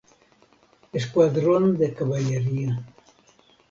Escuadrón de Caballería.